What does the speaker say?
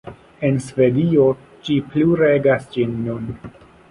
En Svedio ĝi plu regas ĝis nun.